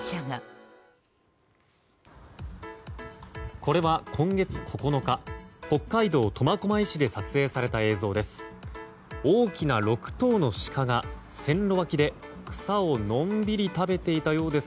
これは今月９日北海道苫小牧市で撮影された映像です。